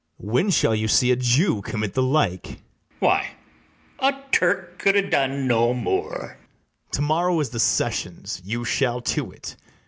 When shall you see a Jew commit the like? ITHAMORE. Why, a Turk could ha' done no more. BARABAS. To morrow is the sessions; you shall to it.